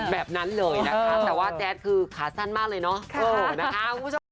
แบบนั้นเลยนะคะแต่ว่าแจ๊ดคือขาสั้นมากเลยเนาะ